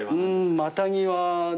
マタギはね